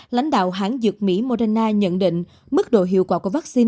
lãnh đạo hãng dược mỹ moderna nhận định mức độ hiệu quả của vắc xin